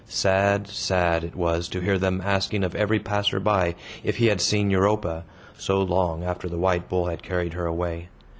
Sad, sad it was to hear them asking of every passer by if he had seen Europa, so long after the white bull had carried her away.